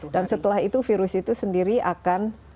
dan setelah itu virus itu sendiri akan